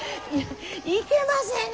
いけませぬ！